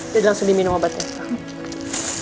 jadi langsung diminum obatnya